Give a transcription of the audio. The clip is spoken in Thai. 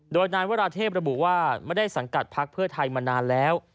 โดยนายวราเทพระบุว่าไม่ได้สังกัดพักเพื่อไทยมานานแล้ว